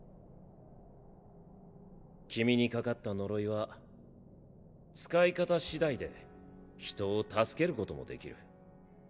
君にかかった呪いは使い方しだいで人を助けることもできる。